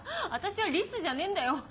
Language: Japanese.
私はリスじゃねえんだよ！